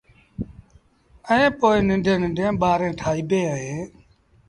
ائيٚݩ پو ننڊيٚن ننڍيٚݩ ٻآريٚݩ ٺآئيٚبيٚن اهيݩ